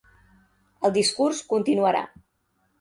El discurs continuarà.